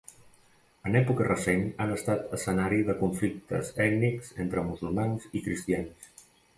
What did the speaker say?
En època recent han estat escenari de conflictes ètnics entre musulmans i cristians.